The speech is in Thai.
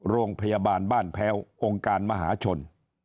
โรงพยาบาลบ้านแพ้วองค์การมหาชน